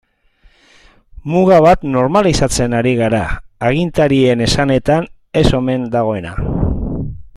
Muga bat normalizatzen ari gara, agintarien esanetan ez omen dagoena.